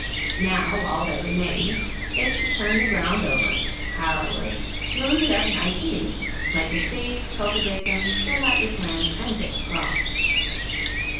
Now all that remains is to turn the ground over, harrow it, smooth it up nice and neat, plant your seeds, cultivate them, thin out your plants and pick the crops.